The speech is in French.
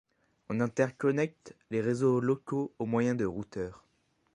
On interconnecte les réseaux locaux au moyen de routeurs.